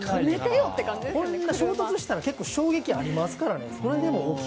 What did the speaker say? こんな衝突したら結構、衝撃がありますからね。